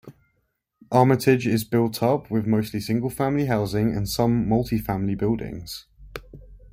Armatage is built up with mostly single-family housing and some multifamily buildings.